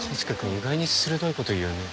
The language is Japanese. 意外に鋭い事言うよね。